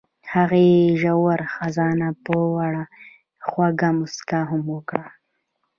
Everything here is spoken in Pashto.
هغې د ژور خزان په اړه خوږه موسکا هم وکړه.